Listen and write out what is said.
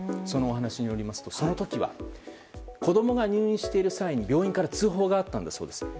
そのお話によりますと、その時は子供が入院している際に母親から通報があったんだそうです。